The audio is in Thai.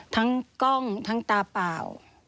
กล้องทั้งตาเปล่า